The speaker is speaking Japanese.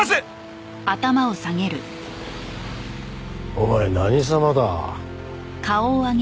お前何様だ？